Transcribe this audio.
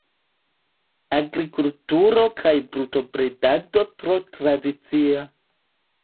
Agrikulturo kaj brutobredado tro tradicia.